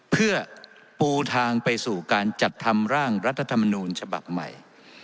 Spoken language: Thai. เพื่อปูทางไปสู่การจัดทำร่างรัฐธรรมนูญฉบับใหม่